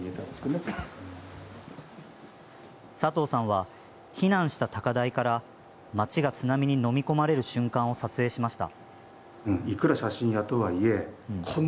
佐藤さんは避難した高台から町が津波にのみ込まれる瞬間を撮影しました。